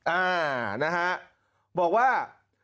อ่านะฮะบอกว่า